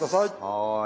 はい。